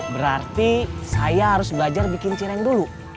berarti saya harus belajar bikin cireng dulu